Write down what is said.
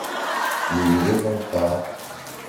Nous nous levons tard…